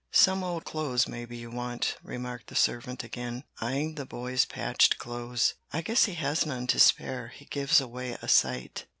"Some old clothes maybe you want," remarked the servant again, eying the boy's patched clothes. "I guess he has none to spare; he gives away a sight."